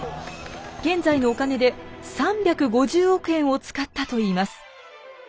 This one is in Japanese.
現在のお金で３５０億円を使ったといいます。